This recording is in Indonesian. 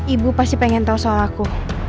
ibu pasti pengen tahu soal aku